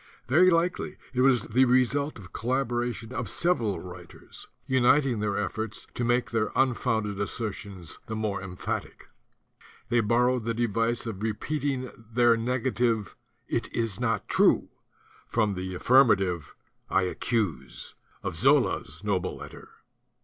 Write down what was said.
Very likely it was the result of collaboration of several writers, uniting their efforts to make their unfounded asser tions the more emphatic. They borrowed the device of repeating their negative "It is not true" from the affirmative "I accuse" of Zola's noble letter.